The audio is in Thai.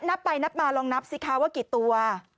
นับไปนับมาลองนับสิคะว่ากี่ตัว